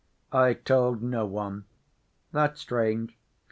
"I told no one." "That's strange.